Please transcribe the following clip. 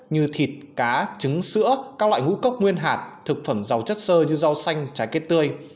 như thịt cá trứng sữa các loại ngũ cốc nguyên hạt thực phẩm giàu chất sơ như rau xanh trái cây tươi